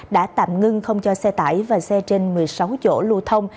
đã tạm ngưng không cho xe tải và xe trên một mươi sáu chỗ lưu thông